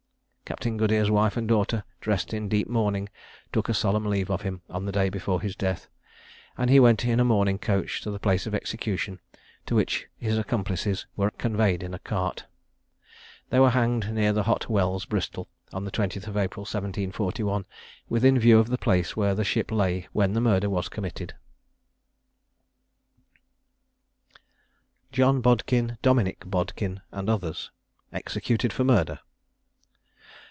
Captain Goodere's wife and daughter, dressed in deep mourning, took a solemn leave of him on the day before his death; and he went in a mourning coach to the place of execution, to which his accomplices were conveyed in a cart. They were hanged near the Hot Wells, Bristol, on the 20th of April, 1741, within view of the place where the ship lay when the murder was committed. JOHN BODKIN, DOMINICK BODKIN, AND OTHERS. EXECUTED FOR MURDER.